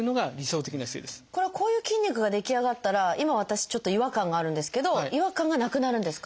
これはこういう筋肉が出来上がったら今私ちょっと違和感があるんですけど違和感がなくなるんですか？